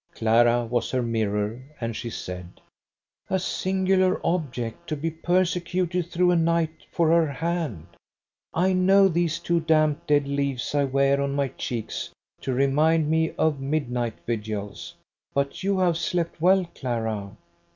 Clara was her mirror, and she said: "A singular object to be persecuted through a night for her hand! I know these two damp dead leaves I wear on my cheeks to remind me of midnight vigils. But you have slept well, Clara."